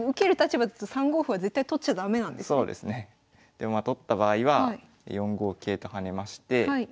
でまあ取った場合は４五桂と跳ねまして。